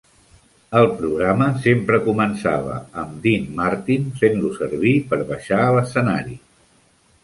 El programa sempre començava amb Dean Martin fent-lo servir per baixa a l'escenari.